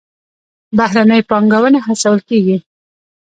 بهرنۍ پانګونه هڅول کیږي